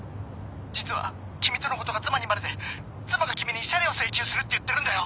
実は君とのことが妻にバレて妻が君に慰謝料請求するって言ってるんだよ。